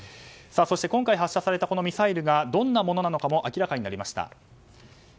そして、今回発射されたミサイルがどんなものなのかも明らかになりました。